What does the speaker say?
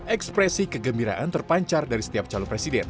ekspresi kegembiraan terpancar dari setiap calon presiden